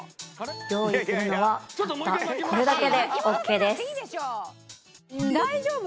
用意するのはたったこれだけでオッケーです。